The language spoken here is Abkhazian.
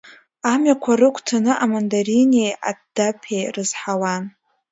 Амҩақәа рыгәҭаны амандаринеи адаԥеи рызҳауан.